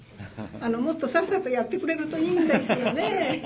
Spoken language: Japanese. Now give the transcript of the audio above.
もっとさっさとやってくれるといいんですよね。